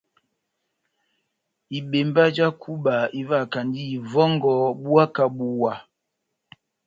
Ibembá já kuba ivahakand'ivòngò buwa kà buwa.